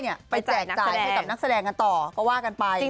เงินที่ได้ไปแจกจ่ายให้กับนักแสดงกันต่อก็ว่ากันไป